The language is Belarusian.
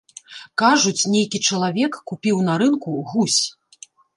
Кажуць, нейкі чалавек купіў на рынку гусь.